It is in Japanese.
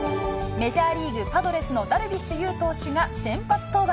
メジャーリーグ・パドレスのダルビッシュ有投手が先発登板。